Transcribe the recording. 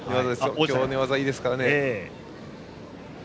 今日は寝技がいいですからね。